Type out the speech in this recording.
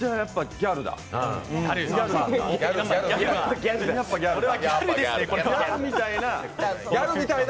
ギャルみたいな、だ。